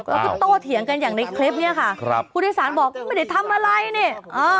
แล้วก็โตเถียงกันอย่างในคลิปเนี้ยค่ะครับผู้โดยสารบอกไม่ได้ทำอะไรเนี่ยเออ